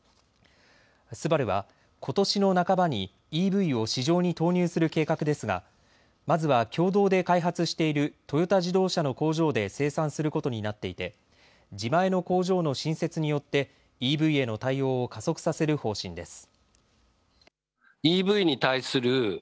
ＳＵＢＡＲＵはことしの半ばにＥＶを市場に投入する計画ですがまずは共同で開発しているトヨタ自動車の工場で生産することになっていて自前の工場の新設によってＥＶへの対応を加速させる方針です。